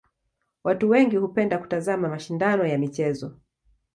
Watu wengi hupenda kutazama mashindano ya michezo.